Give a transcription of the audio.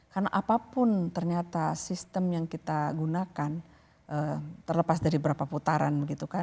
karena apapun ternyata sistem yang kita gunakan terlepas dari berapa putaran